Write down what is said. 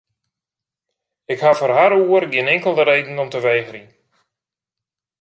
Ik ha foar har oer gjin inkelde reden om te wegerjen.